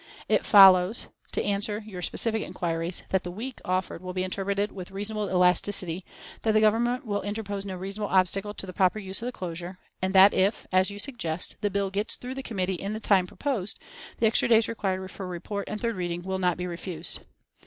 It follows (to answer your specific inquiries), that the "week" offered will be interpreted with reasonable elasticity, that the Government will interpose no reasonable obstacle to the proper use of the closure, and that if (as you suggest) the bill gets through committee in the time proposed, the extra days required for report and third reading will not be refused.